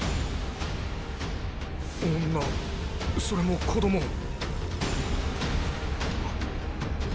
それも子供。